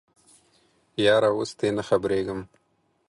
یاره اوس تې نه خبریږم